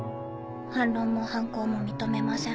反論も反抗も認めません。